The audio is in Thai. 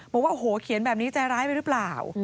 บอกว่าโอ้โหเขียนแบบนี้ใจร้ายไปหรือเปล่า